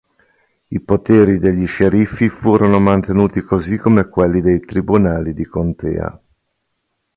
I poteri degli sceriffi furono mantenuti così come quelli dei tribunali di contea.